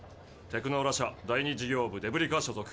テクノーラ社第２事業部デブリ課所属。